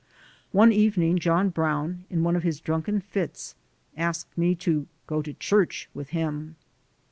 One evening John Brown, in one of his drunken fits, asked me to "go to church" with him.